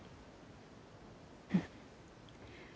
うん。